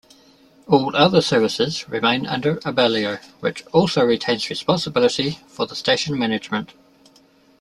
All other services remain under Abellio, which also retains responsibility for the station management.